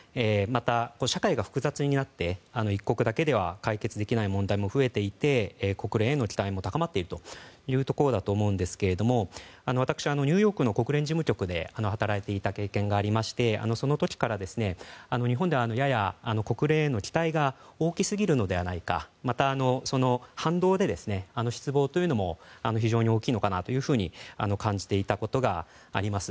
また社会が複雑になって一国だけでは解決できない問題も増えていて、国連への期待も高まっているところだと思うんですけども私、ニューヨークの国連事務局で働いていた経験がありましてその時から日本ではやや国連への期待が大きすぎるのではないかまた、その反動で失望というのも非常に大きいのかなと感じていたことがあります。